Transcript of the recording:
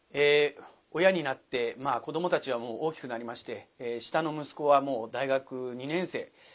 親になって子どもたちはもう大きくなりまして下の息子はもう大学２年生。